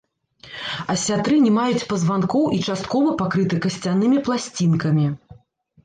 Асятры не маюць пазванкоў і часткова пакрыты касцянымі пласцінкамі.